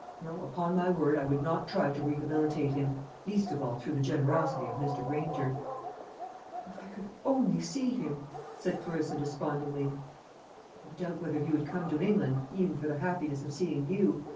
No, upon my word, I would not try to rehabilitate him; least of all through the generosity of Mr. Granger." "If I could only see him," said Clarissa despondingly. "I doubt whether he would come to England, even for the happiness of seeing you.